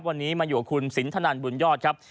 วันนี้มาอยู่กับคุณสินทนันบุญยอดครับ